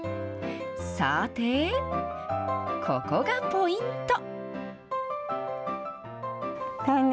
さて、ここがポイント。